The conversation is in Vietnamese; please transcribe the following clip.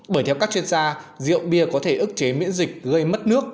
bởi theo các chuyên gia rượu bia có thể ức chế miễn dịch gây mất nước